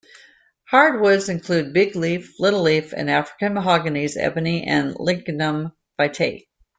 Hardwoods include big-leaf, little-leaf, and African mahoganies, ebony and lignum vitae.